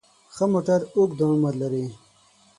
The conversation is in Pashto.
ښه موټر اوږد عمر لري.